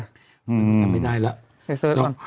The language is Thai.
ทำไม่ได้แล้ว